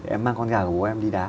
em mang con gà của bố em đi đá